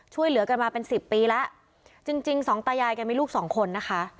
ช่วยเหลือกันมาเป็นสิบปีแล้วจริงจริงสองตายายแกมีลูกสองคนนะคะ